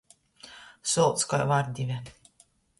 Solts kai vardive.